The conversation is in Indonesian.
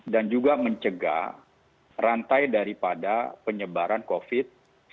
juga mencegah rantai daripada penyebaran covid sembilan belas